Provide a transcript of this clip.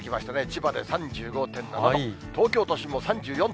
千葉で３５．７度、東京都心も３４．５度。